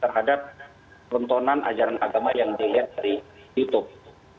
terhadap tontonan ajaran agama yang dilihat dari youtube